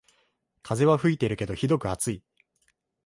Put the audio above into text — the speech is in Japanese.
風は吹いてるけどひどく暑い